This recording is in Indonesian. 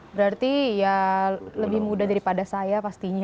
berarti ya lebih muda daripada saya pastinya ya